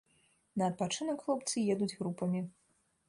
На адпачынак хлопцы едуць групамі.